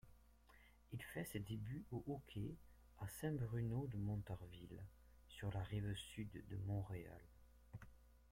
Il fait ses débuts au hockey à Saint-Bruno-de-Montarville, sur la rive-sud de Montréal.